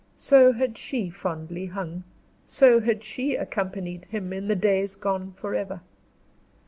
So had she fondly hung, so had she accompanied him, in the days gone forever.